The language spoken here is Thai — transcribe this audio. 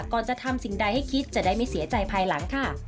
จะทำสิ่งใดให้คิดจะได้ไม่เสียใจภายหลังค่ะ